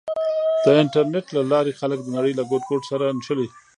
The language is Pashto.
د انټرنېټ له لارې خلک د نړۍ له ګوټ ګوټ سره نښلي.